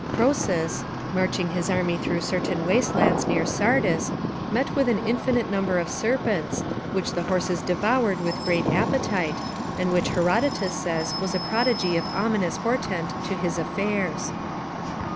Croesus, marching his army through certain waste lands near Sardis, met with an infinite number of serpents, which the horses devoured with great appetite, and which Herodotus says was a prodigy of ominous portent to his affairs.